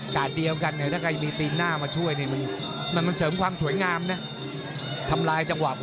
กัดเดียวกันถ้าใครมีตีนหน้ามาช่วย